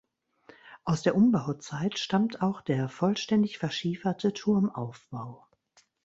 Aus der Umbauzeit stammt auch der vollständig verschieferte Turmaufbau.